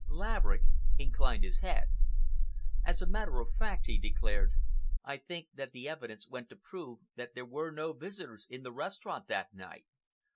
Laverick inclined his head. "As a matter of fact," he declared, "I think that the evidence went to prove that there were no visitors in the restaurant that night.